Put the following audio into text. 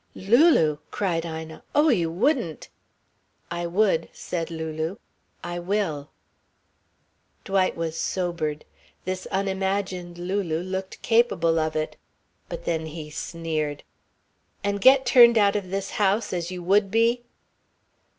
"Lulu!" cried Ina. "Oh, you wouldn't." "I would," said Lulu. "I will." Dwight was sobered. This unimagined Lulu looked capable of it. But then he sneered. "And get turned out of this house, as you would be?"